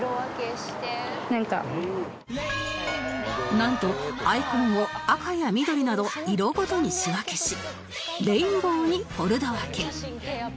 なんとアイコンを赤や緑など色ごとに仕分けしレインボーにフォルダ分け